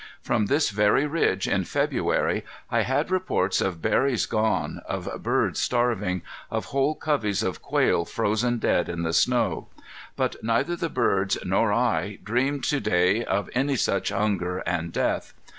From this very ridge, in February, I had reports of berries gone, of birds starving, of whole coveys of quail frozen dead in the snow; but neither the birds nor I dreamed to day of any such hunger and death.